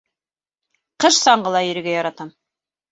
Ҡыш саңғыла йөрөргә яратам